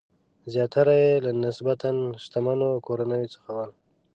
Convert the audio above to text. زیاتره یې له نسبتاً شتمنو کورنیو څخه ول.